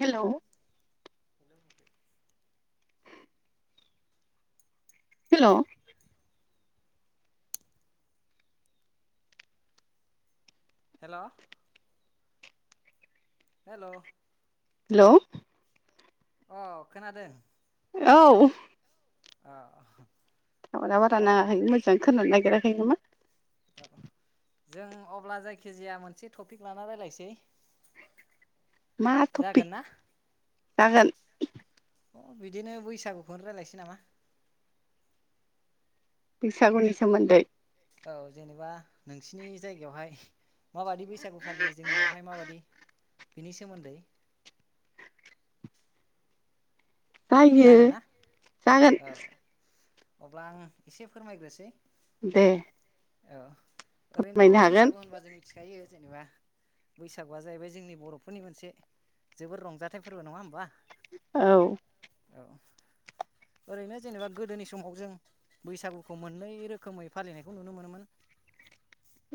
Hello [unintelligible] hello hello hello hello अ' खोनादों? औ ओ टावारा बारा नाङाखै मोजां खोनानो नागिराखै नामा? ओ जों अब्ला जायखिजाया मोनसे टपिक लाना रायलायसै। मा टपिक जागोन ना जागोन? अ बिदिनो बैसागुखौनो रायलायनोसै नामा? बैसागुनि सोमोन्दै? औ जेनेबा नोंसिनि जायगायावहाय माबाददि बैसागु फालियो, जोंनियावहाय माबादि बिनि सोमोन्दै। जायो जागोन ना जागोन। औ अब्ला आं एसे फोरमायग्रोसै। दे। औ फोरमायनो ओरैनोथ' हागोन बैसागु होनबा जों मिथिखायो। जेनबा बैसागुआ जाहैबाय जोंनि बर'फोरनि मोनसे जोबोर रंजाथाइ फोरबो नङा होमबा। औ औ ओरैनो जेनेबा गोदोनि समाव जों बैसागुखौ मोननै रोखोमै फालिनायखौ नुनो मोनोमोन। [inaudible]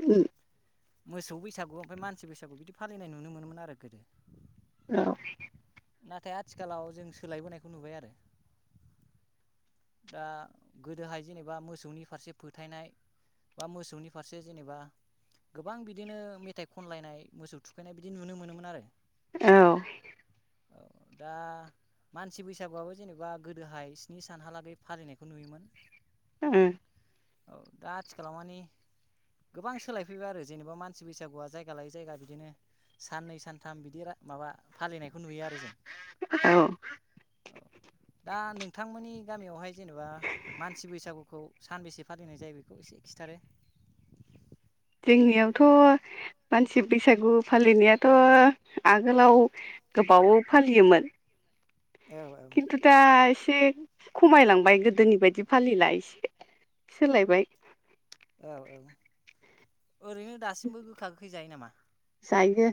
उम मोसौ बैसागु ओमफ्राय मानसि बैसागु बिदि फालिनाय नुनो मोनोन आरो गोदो। औ। नाथाय आथिखालाव जों सोलायबोनायखौ नुबाय आरो। दा गोदोहाय जेनेबा मोसौनि फारसे फोथायनाय। बा मोसौनि फारसे जेनेबा गोबां बिदिनो मेथाइ खनलायनाय मोसौ थुखैनाय बिदि नुनो मोनोमोन आरो। औ। औ दा मानसि बैसागुआबो जेनेबा गोदोहाय स्नि सानहालागै फालिनायखौ नुयोमोन। उम औ दा आथिखाल मानि गोबां सोलायफैबाय आरो जेनेबा मानसि बैसागुआ जायगा लायै जायगा बिदिनो साननै सानथाम बिदि माबा फालिनायखौ नुयो आरो जों। औ औ दा नोंथांमोननि गामियावहाय जेनेबा मानसि बैसागुखौ सानबेसे फालिनाय जायो बेखौ एसे खिथादो। [inaudible] जोंनियावथ' मानसि बैसागु फालिनायाथ' आगोलाव गोबावाव फालियोमोन। औ खिन्थु दा एसे खमायलांबाय गोदोनि बायदि फालिला एसे सोलायबाय। औ औ ओरैनो दासिमबो गोखा गोखै जायो नामा? जायो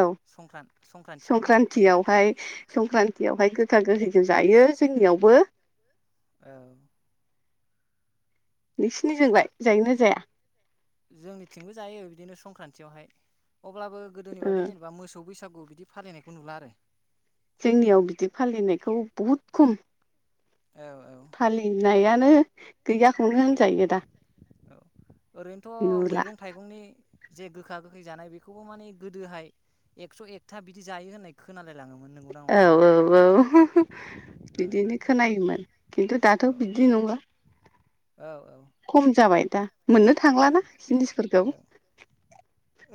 औ संक्रान संक्रान्तियाव ना संक्रान्तियावहाय संक्रान गोखा गोखैखौहाय जायो जोंनियावबो। औ ओ नोंसोरनिजोंलाय जायोना जाया? जोंनिथिंबो जायो बिदिनो संक्रान्तियावहाय अब्लाबो गोदोनि ओ बादि जेनेबा मोसौ बैसागु बिदि फालिनायखौ नुला आरो। जोंनियाव बिदि फालिनायखौ बहुद खम औ औ फालिनायानो गैयाखौनो होनजायो दा। औ ओरैनोथ' नुला मैगं थाइगंनि जे गोखा गोखै जानाय बेखौबो माने गोदोहाय एकस' एकथा बिदि जायो होननाय खोनालाय लाङोमोन। नोंगौना औ नङाथाय औ औ औ बिदिनो खोनायोमोन। खिन्थु दाथ' औ बिदि नंला औ खम जाबाय दा मोननो औ थांलााना जिनिसफोरखौ। औ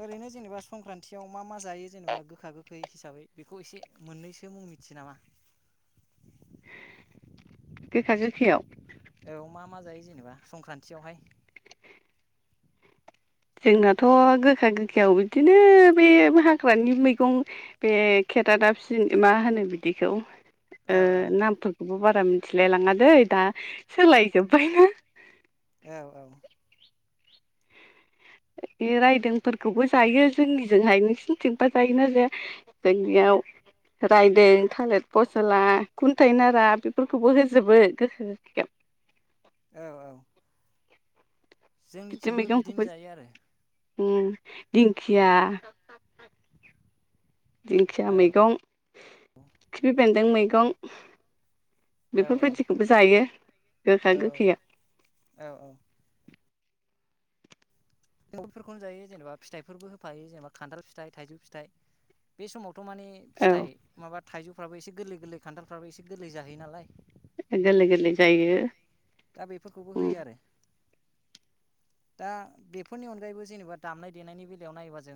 ओरैनो जेनेबा संक्रान्तियाव मा मा जायो जेनेबा गोखा गोखै हिसाबै बेखौ एसे मोननैसो मुं मिथियो नामा? गोखा गोखैयाव औ मा मा जायो जेनेबा संक्रान्तियावहाय। जोंनाथ' गोखा गोखायाव बिदिनो बे हाग्रानि मैगं बे खेरा दाफिनि मा होनो बिदिखौ औ औ नामफोरखौबो बारा बारा मिथिलाय लाङ दै दा सोलायजोब्बाय। औ औ। [inaudible] बे रायदोंफोरखौबो जायो। जोंनिजोंहाय नोंसिोरनिथिंबा जायोना जे जोंनियाव रायदों थालिर फसला खुन्थायाइ नारा बेफोरखौबो होजोबो गोखा गोखैयाव। औ औ बिदि जोंनिथिंबो मैगंखौबो बिदिनो जायो आरो औ दिंखिया दिंखिया औ मैगं खिफि बेन्दों मैगं औ बेफोरबायदिखौबो जायो गोखा औ गोखैयाव औ औ जों बेफोरखौनो जायो जेनेबा फिथाइफोरबो होफायो जेनेबा खान्दाल फिथाइ थाइजौ फिथाइ बे समाव थ' माने औ फिथाइ माबा थाइजौफ्राबो एसे गोरलै गोरलै खान्थालफ्राबो एसे गोरलै जाहयो नालाय गोरलै गोरलै जायो दा बेफोरखौबो होयो आरो दा बेफोरनि अनगायैबो जेनेबा दामनाय देनायनि बेलायाव नायोबा जों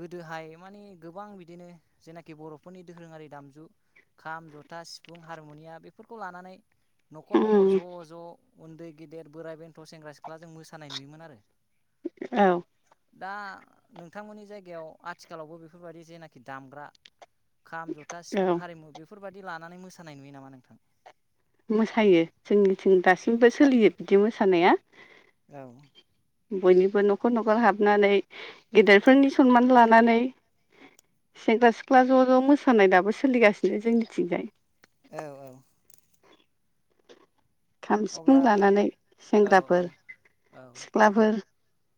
गोदोहाय माने गोबां बिदिनो जेनाखि बर'फोरनि दोरोङारि दामजु खाम जथा सिफुं हारमुनिया बेफोरखौ लानानै न'खर न'खर उम ज' ज' उन्दै गेदेर बोराइ बेन्थ' सेंग्रा सिख्ला जों मोसानाय नुयोमोन आरो औ दा नोंथांमोननि जायगायाव आथिखालावबो बेफोरबायदि जेनाखि दामग्रा खाम जथा सिफुं औ हारिमु बेफोरबायदि लानानै मोसानाय नुयो नामा नोंथां मोसायो जोंनिथिं दासिमबो सोलियो बिदि मोसानाया औ बयनिबो न'खर न'खर हाबनानै गेदेरफोरनि सनमान लानानै सेंग्रा सिख्ला ज' ज' मोसानाय दाबो सोलिगासिनो जोंनिथिंजाय औ औ खाम सिफुं अब्ला लानानै औ सेंग्राफोर औ सिख्लाफोर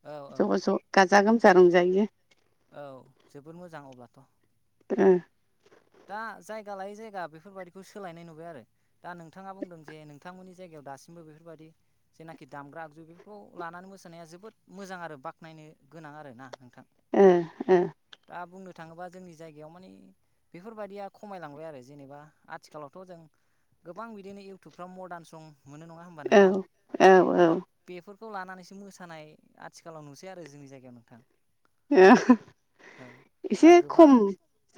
औ औ ज' ज' गाजा गोमजा रंजायो औ जोबोद मोजां अब्लाथ' द दा जायगा लायै जायगा बेफोरबायाददिखौ सोलायनाय नुबाय आरो दा नोंथाङा बुंदों जे नोंथांमोननि जायगायाव दासिमबो बेफोरबायादि जेनाखि दामग्रा आगजु बेफोरखौ लानानै मोसानाया जोबोद मोजां आरो बाख्नायनो गोनां आर ना नोंथां ओ दा बुंनो थाङोब्ला जोंनि जायगायाव मानिे बेफोरबायदिया खमायलांबाय आरो जेनेबा आथिखालावथ' जों गोबां बिदिनो इउटुबफ्राव मदार्न सं मोनो नङा होमबा नोंथां औ औ औ दा बे खौ लानानैसो मोसानाय आथिखालाव नुसै आरो जोंनि जायगायाव नोंथां औ दा एसे गोबां खम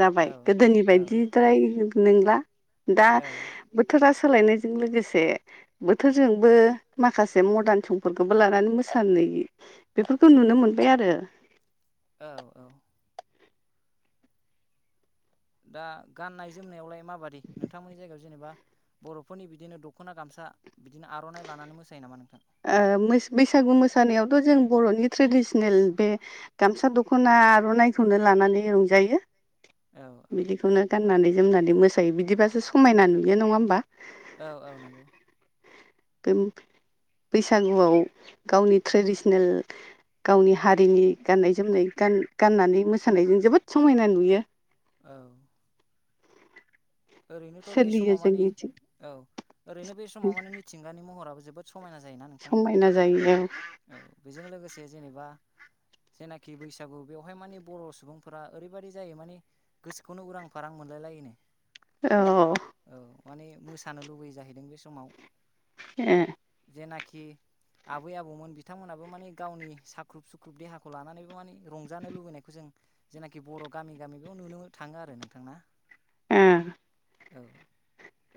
जाबाय औ गोदोनि नि औ बायदिद्राय नंला दा औ बोथोरा खाोलायनायजों लोगोसे बोथोरजोंबो माखासे मदार्न समफोरखौबो लानानै मोसानो बेफोरखौ नुनो मोनबाय आरो औ औ दा गाननाय जोमनायावलाय माबाददि नोंथांमोननि जायगायाव जेनेबा बर'फोरनि बिदिनो दख'ना गामसा बिदिनो आर'नाइ लानानै मोसायो नामा नोंथां बैसागु मोसानायावथ' जों बर'नि ट्रेडिसनेल बे गामसा दख'ना ा आर'नाइखौनो लानानै रंजायो औ औ बिदिखौनो गाननानै जोमनानै मोसायो बिदिबासो समायना नुयो नङा होमबा औ औ नांगौ बे बैसागुआव गावनि ट्रेडिसनेल गावनि हारिनि गाननाय जोमनाय गाननानै मोसानायजों जोबोद समायना नुयो औ ओरैनोथ' बे सोलियो समाव मानिे जोंनिथिं औ ओरैनो बे समाव मानिे मिथिंगानि महराबो जोबोद स समायना जायोना नोंथां समायना जायो औ बेजों लोगोसे जेनेबा जेनाखि बैसागु बेवहाय माने बर' सुबुंफोरा ओरैबायाददि जायो माने गोसोखौनो उदांफार आं मोनलाय लायोनो औ औ माने मोसानो लुबैयो जाहैदों बे समाव ए जेनाखि आबै आबौमोन बिथांमोनहाबो मानि गावनि साख्रुब सुख्रुब देहाखौ लानानैबो माने रंजानो लुबैनायखौ जों जेनाखि बर' गामि गामि बेयाव नुनो थाङो आरो नोंथांना ए औ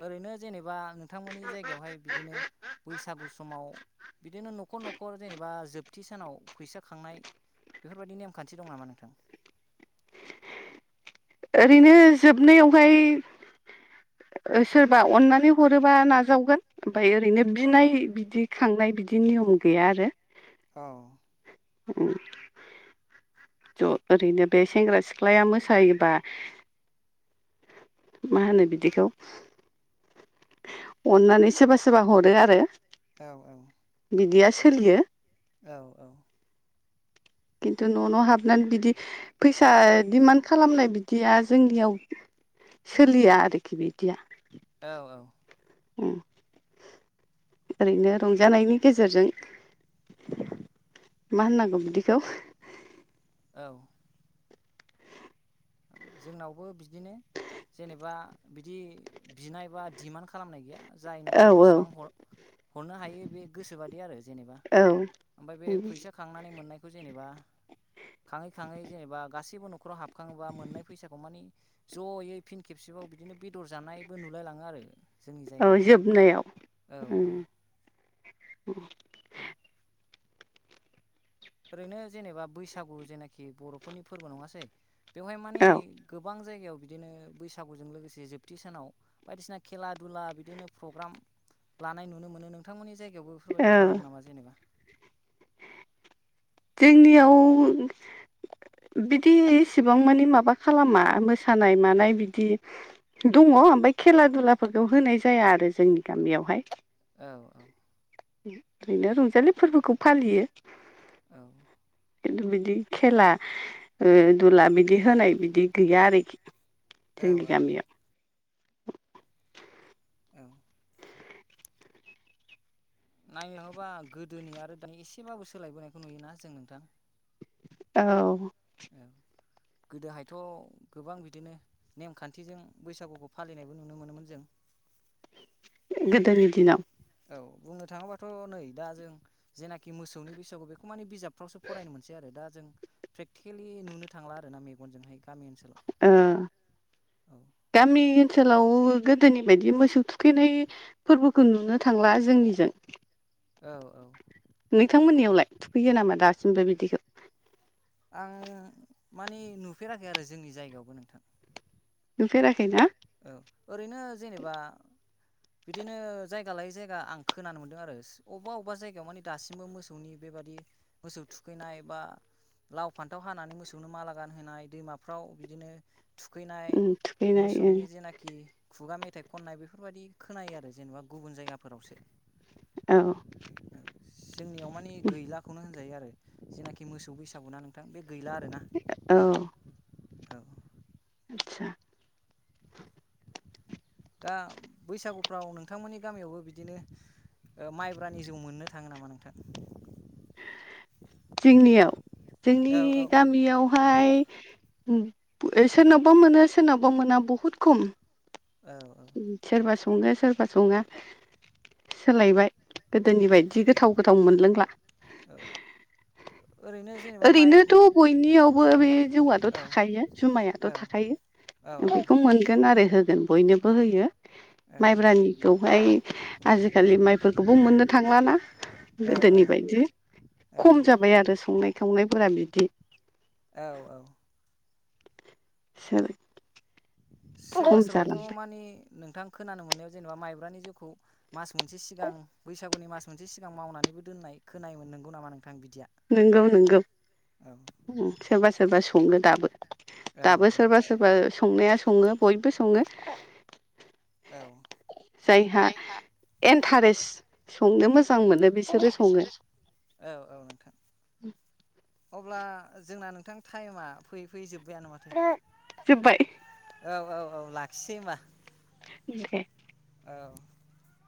ओरैनो जेनेबा नोंथांमोननि जायगायावहाय बिदिनो बैसागु समाव बिदिनो न'खर न'खर जेनेबा जोबथि सानाव फैसा खांनाय बेफोरबायदि नेमखान्थि दं नामा नोंथां ओरैनो जोबनायावहाय सोरबा अननानै हरोबा नाजावगोन ओमफफ्राय ओरैनो बिनाय बिदि खांनाय बिदि निम खम गैया आरो औ औ ज' ओरैनो बे सेंग्रा सिख्लाया मोसायोबा मा होनो बिदिखौ अननानै सोरबा सोरबा हरो आरो औ औ बिदिया सोलियो औ औ खिन्थु न' नाव हाबनानै बिदि फैसा दिडिमान्ड खालामनाय बिदिया जोंनियाव सोलिया आरोखि बिदिया औ औ ओरैनो रंजानायनि गेजेरजों मा होननांगौ बिदिखौ औ जोंनावबो बिदिनो जेनेबा बिदि बिनाय बा डिमान्ड खालामनाय गैया जाय औ न'खराव औ बेसेबां हरनो हायो बे गोसोबादि आरो जेनेबा औ ओमफफ्राय बे फैसा खांनानै मोननाय खौ जेनेबा खाङै खाङै जेनेबा गाैबो न'राव हाबखाङोबा मोननाय फैसाखौ मानि ज'यै फिन खेबसेबाव बिदिनो बेदर जानायबो नुलायलाङो आरो जोंनि औ जायगायावहाय जोबनायाव औ ओं औ औ ओरैनो जेनेबा बैसागु जेनाखि बर'फोरनि फोरबो नङासै बेवहाय मानि औ गोबां जायगायाव बिदिनो बैसागुजों लोगोसे जोबथि सानाव बायदिसिना खेला दुला बिदिनो प्रग्राम लानाय नुनो मोनो नोंथांमोननि जायगायावबो औ बेफोरबायदि खालामो नामा जेनेबा जोंनियाव बिदि इसेबां मानि माबा खालामा मोसानाय मानाय बिदि दङ ओमफफ्राय खेला दुलाफोरखौ होनाय जाया आरो जोंनि गामियावहाय औ औ ओरैनो रंजालि फोरबोखौ फालियो औ खिन्थु बिदि खेला ओ दुला बिदि होनाय बिदि गैया आरोखि जोंनि औ गामियाव औ नायनो थाङोबा गोदोनि आरो दानि एसेबाबो सोलायबोनायखौ नुयोना जों नोंथां औ औ गोदोहायथ' गोबां बिदिनो नेमखान्थिजों बैसागुखौ फालिनायबो नुनो मोनोमोन जों। [inaudible] गोदोनि दिनाव। औ बुंनो थाङोबाथ' नै दा जों जेनाखि मोसौनि बैसागु बेखौ माने बिजाबफ्रावसो फरायनो मोनसै आरो। दा जों प्रेकटिकेलि नुनो थांला आरो ना मेगनजोंहाय। गामि ओनसोलाव ओ औ गामि ओनसोलाव गोदोनि बायदि मोसौ थुखैनाय फोरबोखौ नुनो थांला जोंनिजों। औ औ। नोंथांमोननियावलाय थुखैयो नामा दासिमबो बिदिखौ? आङ माने नुफेराखै आरो जोंनि जायगायावबो नोंथां। नुफेराखैना? औ ओरैनो जेनेबा बिदिनो जाय गा लायै जायगा आं खोनानो मोनदों आरो अबबा अबबा जायगायाव माने दासिमबो मोसौनि बेबादि मोसौ थुख खैनाय बा लाव फान्थाव हानानै मोसौनो माला गानहोनाय दैमाफ्राव बिदिनो थुखैनाय उम थुखैनाय मोसौनि जेनाखि खुगा मेथ थाय खन्नाय बेफोरबायदि खोनायो आरो जेनेबा गुबुन जायगाफोरावसो। औ। जोंनियाव माने गैलाखौनो होनजायो आरो जेनाखि मोसौ बैसागु ना नोंथां बे गैला आरोना। औ औ। आतसा। दा बैसागुफ्राव नोंथांमोननि गामियावबो बिदिनो ओ मायब्रानि जोउ मोननो थाङो नामा नोंथां? जोंनियाव जोंनि औ गामियावहाय उम ओ सोरनावबा मोनो सोरनावबा मोना बहुद खम। औ उम सोरबा सङो सोरबा सङा सोलायबाय। औ गोदोनि बायदि गोथाव गोथाव मोनलोंला। औ ओरैनो जेनेबा माइ ओरैनोथ' बयनियावबो बे जौआथ' औ थाखायो जुमायाथ' औ औ थाखायो। औ बेखौ मोनगोन आरो होगोन बयनोबो होयो। औ मायब्रानिखौहाय आजिखालि मायफोरखौबो मोननो थांलाना। गोदोनि बायदि औ खम जाबाय आरो संनाय फ्रा बिदि। औ औ। [unintelligible] सोरबा खम सोरबाथ' जालांबाय माने नोंथां खोनानो मोननायाव जेनेबा मायब्रानि जौउखौ मास मोनसे सिगां बैसागुनि मास मोनसे सिगां मावनानैबो दोननाय खोनायोमोन नोंगौ नामा नों नोंगौ नोंगौ औ सोरबा सोरबा सङो दाबो। औ दाबो औ सोरबा सोरबा संनाया सङो बयबो सङो। औ जायहा एन्टारेस संनो मोजां मोनो बि बिसोरो औ औ नोंथां। अब्ला जोंना नोंथां टायमा फैयै फैयै जोब्बायानो माथो। जोब्बाय। औ औ औ लाखिसै ओमबा। [unintelligible] औ।